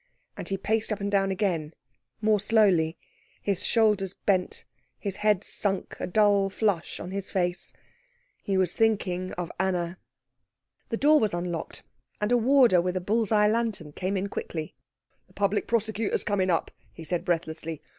And he paced up and down again more slowly, his shoulders bent, his head sunk, a dull flush on his face; he was thinking of Anna. The door was unlocked, and a warder with a bull's eye lantern came in quickly. "The Public Prosecutor is coming up," he said breathlessly.